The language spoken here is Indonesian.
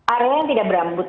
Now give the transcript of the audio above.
area yang tidak berambut